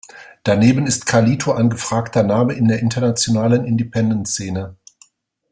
Daneben ist Carlito ein gefragter Name in der internationalen Independent-Szene.